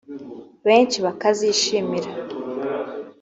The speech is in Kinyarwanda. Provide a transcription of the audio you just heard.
benshi bakazishimira